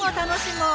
楽しみ！